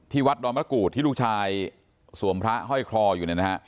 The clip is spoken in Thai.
ที่วัดดอมรกูธที่ลูกชายสวมพระฮ่อยคลออยู่เลยนะฮะ